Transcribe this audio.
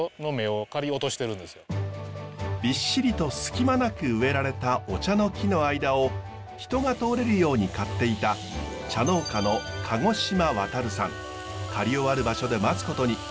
びっしりとすき間なく植えられたお茶の木の間を人が通れるように刈っていた刈り終わる場所で待つことに。